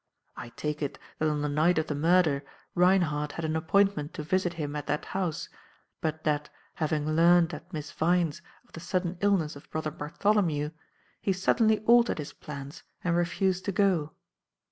I take it, that on the night of the murder, Reinhardt had an appointment to visit him at that house, but that, having learned at Miss Vyne's of the sudden illness of Brother Bartholomew, he suddenly altered his plans and refused to go.